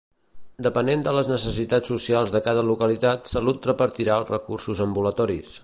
Depenent de les necessitats socials de cada localitat, Salut repartirà els recursos ambulatoris.